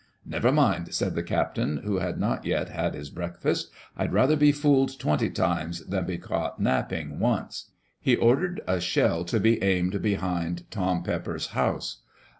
"Never mind," said the captain, who had not yet had his breakfast. " I'd rather be fooled twenty rimes than be caught napping once." He ordered a shell to be aimed behind Tom Pepper's house.